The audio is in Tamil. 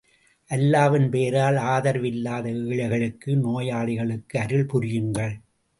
அல்லாவின் பெயரால் ஆதரவில்லாத ஏழைகளுக்கு, நோயாளிகளுக்கு அருள் புரியுங்கள்!